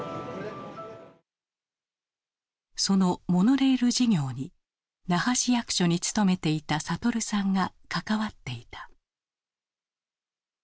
そのモノレール事業に那覇市役所に勤めていた悟さんが関わっていた。